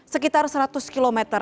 sekitar setengah hari ke depan